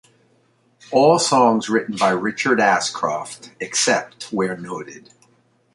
All songs written by Richard Ashcroft, except where noted.